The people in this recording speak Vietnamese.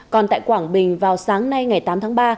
còn tại quảng bình vào sáng nay ngày tám tháng ba